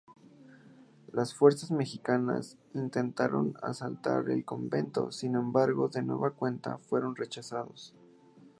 Las fuerzas mexicanas intentaron asaltar el convento, sin embargo de nueva cuenta fueron rechazados.